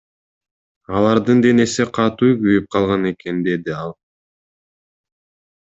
Алардын денеси катуу күйүп калган экен, — деди ал.